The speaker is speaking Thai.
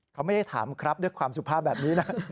เขาไม่ได้ถามครับด้วยความสุภาพแบบนี้นะ